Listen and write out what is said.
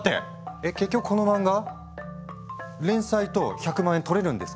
えっ結局この漫画連載と１００万円取れるんですか？